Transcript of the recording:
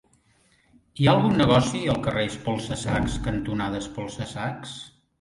Hi ha algun negoci al carrer Espolsa-sacs cantonada Espolsa-sacs?